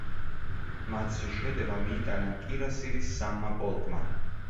მათზე შეტევა მიიტანა კირასირის სამმა პოლკმა.